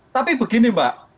tapi begini mbak